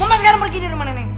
mama sekarang pergi di rumah nenek